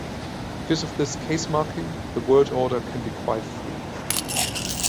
Because of this case marking, the word order can be quite free.